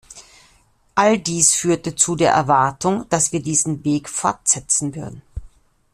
All dies führte zu der Erwartung, dass wir diesen Weg fortsetzen würden.